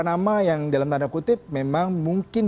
nama yang dalam tanda kutip memang mungkin